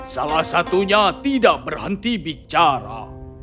salah satunya tidak berhenti bicara